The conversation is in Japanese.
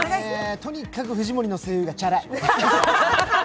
とにかく藤森の声優がチャラい。